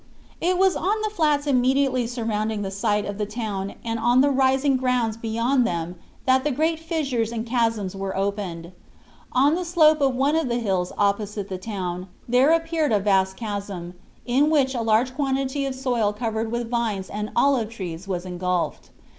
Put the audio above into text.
It was on the flats immediately surrounding the site of the town and on the rising grounds beyond them that the great fissures and chasms were opened. On the slope of one of the hills opposite the town there appeared a vast chasm, in which a large quantity of soil covered with vines and olive trees was engulfed.